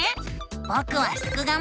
ぼくはすくがミ！